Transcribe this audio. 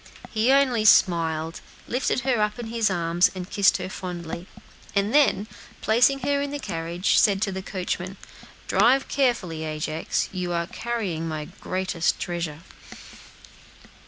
He only smiled, lifted her up in his arms, and kissed her fondly; then, placing her in the carriage, said to the coachman, "Drive carefully, Ajax; you are carrying my greatest treasure."